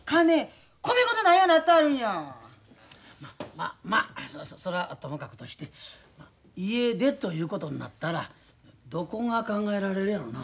まあまあそれはともかくとして家出ということになったらどこが考えられるやろな。